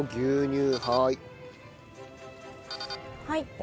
はい。